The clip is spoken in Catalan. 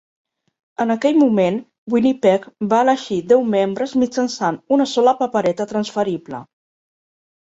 En aquell moment, Winnipeg va elegir deu membres mitjançant una sola papereta transferible.